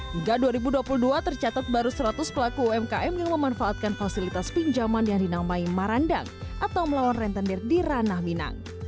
hingga dua ribu dua puluh dua tercatat baru seratus pelaku umkm yang memanfaatkan fasilitas pinjaman yang dinamai marandang atau melawan rentenir di ranah minang